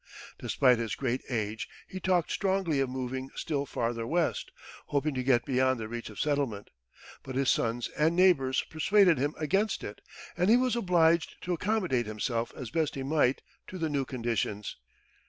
Despite his great age, he talked strongly of moving still farther West, hoping to get beyond the reach of settlement; but his sons and neighbors persuaded him against it, and he was obliged to accommodate himself as best he might to the new conditions.